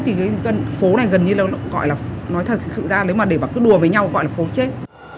thì cái phố này gần như là gọi là nói thật sự ra nếu mà để bảo cứ đùa với nhau gọi là phố chết